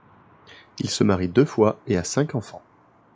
Il se marie deux fois et a cinq enfants.